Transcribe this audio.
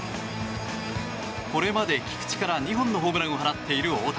これまで菊池から２本ホームランを放っている大谷。